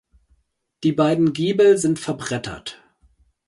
Die beiden Giebel sind verbrettert.